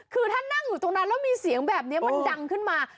คือถ้านั่งอยู่ตรงนั้นแล้วมีเสียงแบบนี้มันดังขึ้นมา